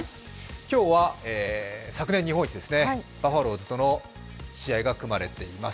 今日は昨年日本一、バファローズとの試合が組まれています。